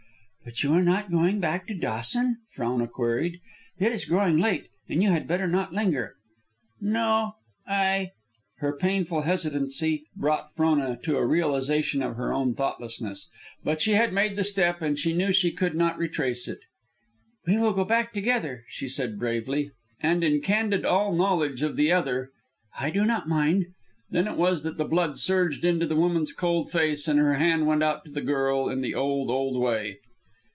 "But are you not going back to Dawson?" Frona queried. "It is growing late, and you had better not linger." "No ... I ..." Her painful hesitancy brought Frona to a realization of her own thoughtlessness. But she had made the step, and she knew she could not retrace it. "We will go back together," she said, bravely. And in candid all knowledge of the other, "I do not mind." Then it was that the blood surged into the woman's cold face, and her hand went out to the girl in the old, old way.